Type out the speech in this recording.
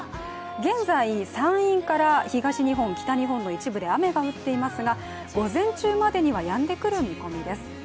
現在、山陰から東日本、北日本の一部で雨が降っていますが午前中までにはやんでくる見込みです。